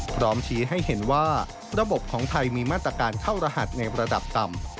พร้อมชี้ให้เห็นว่าระบบของไทยมีมาตรการเข้ารหัสในระดับต่ำ